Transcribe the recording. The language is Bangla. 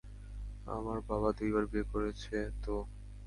আমার বাবা দুইবার বিয়ে করেছে তো।